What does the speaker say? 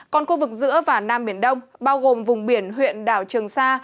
còn khu vực giữa và nam biển đông bao gồm vùng biển huyện đảo trường sa